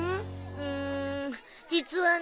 うん実はね